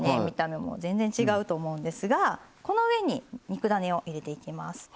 見た目も全然違うと思うんですがこの上に肉だねを入れていきます。